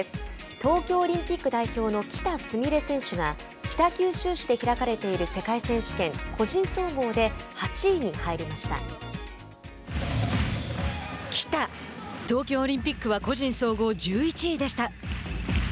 東京オリンピック代表の喜田純鈴選手が北九州市で開かれている世界選手権喜田、東京オリンピックは個人総合１１位でした。